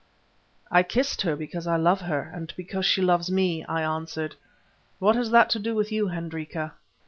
"I kissed her because I love her, and because she loves me," I answered. "What has that to do with you, Hendrika?"